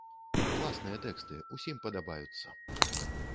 Класныя тэксты, усім падабаюцца!